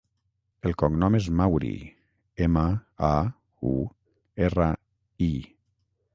El cognom és Mauri: ema, a, u, erra, i.